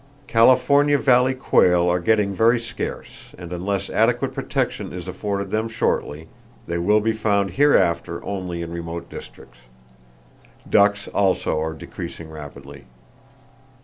California valley quail are getting very scarce, and unless adequate protection is afforded them shortly, they will be found hereafter only in remote districts. Ducks also are decreasing rapidly.